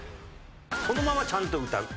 そのままちゃんと歌う？